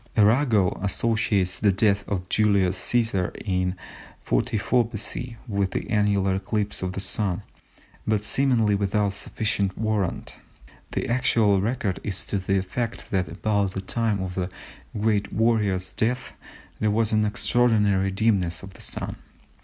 Arago associates the death of Julius Cæsar in 44 B.C. with an annular eclipse of the Sun, but seemingly without sufficient warrant. The actual record is to the effect that about the time of the great warrior's death there was an extraordinary dimness of the Sun.